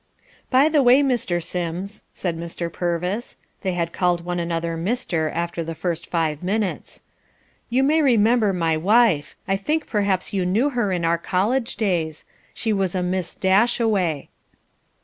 "By the way, Mr. Sims," said Mr. Purvis (they had called one another "Mr." after the first five minutes), "you may remember my wife. I think perhaps you knew her in our college days. She was a Miss Dashaway."